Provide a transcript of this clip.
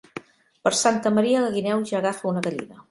Per Santa Maria la guineu ja agafa una gallina.